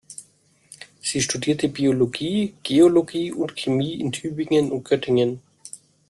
Sie studierte Biologie, Geologie und Chemie in Tübingen und Göttingen.